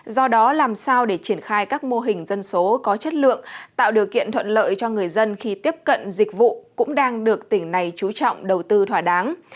do đó làm sao để triển khai các mô hình dân số có chất lượng tạo điều kiện thuận lợi cho người dân khi tiếp cận dịch vụ cũng đang được tỉnh này chú trọng đầu tư thỏa đáng